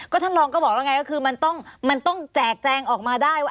ท่านรองก็บอกแล้วไงก็คือมันต้องแจกแจงออกมาได้ว่า